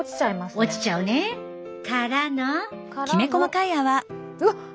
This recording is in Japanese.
落ちちゃうね。からの。からの。